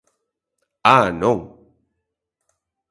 ¡Ah!, non.